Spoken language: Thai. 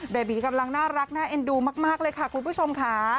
เบบีกำลังน่ารักน่าเอ็นดูมากเลยค่ะคุณผู้ชมค่ะ